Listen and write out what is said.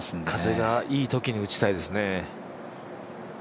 風がいいときに打ちたいですね。